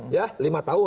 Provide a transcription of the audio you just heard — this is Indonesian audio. ya lima tahun